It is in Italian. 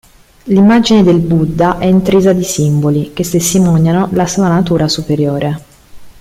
L'immagine del Buddha è intrisa di simboli, che testimoniano la sua natura superiore.